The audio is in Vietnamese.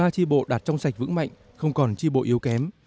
một mươi tri bộ đạt trong sạch vững mạnh không còn tri bộ yếu kém